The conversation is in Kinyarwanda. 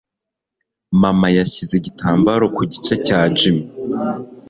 Mama yashyize igitambaro ku gice cya Jim.